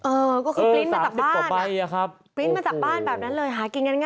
เออก็คือกริ้นมาจากบ้านอ่ะ๓๐ประเบ้ว